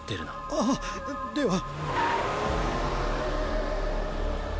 ああっでは。